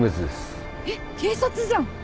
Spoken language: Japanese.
えっ警察じゃん。